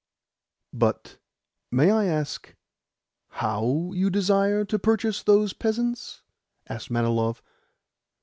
"But may I ask HOW you desire to purchase those peasants?" asked Manilov.